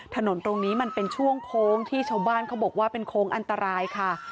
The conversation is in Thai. ถนนตรงนี้มันเป็นช่วงโค้งที่ชาวบ้านเขาบอกว่าเป็นโค้งอันตรายค่ะ